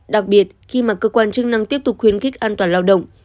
đặc biệt khi mà cơ quan chức năng tiếp tục khuyến khích an toàn lao động